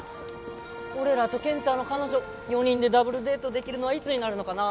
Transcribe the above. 俺らと健太の彼女４人でダブルデートできるのはいつになるのかな